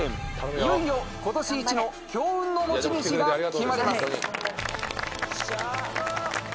いよいよ今年イチの強運の持ち主が決まります。